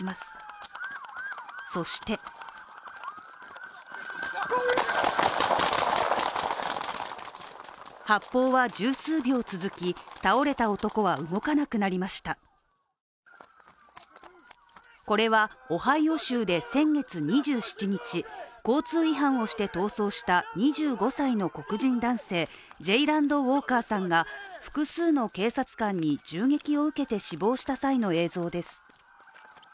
これはオハイオ州で先月２７日、交通違反をして逃走した２５歳の黒人男性、ジェイランド・ウォーカーさんが複数の警察官に銃撃を受けて死亡した際の映像です。